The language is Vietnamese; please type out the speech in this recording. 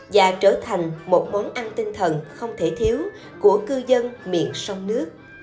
và trở thành một món ăn tinh thần không thể thiếu của cư dân miệng sông nước